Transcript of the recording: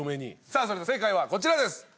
それでは正解はこちらです。